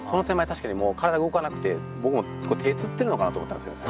確かにもう体動かなくて僕も手つってるのかなと思ったんですよ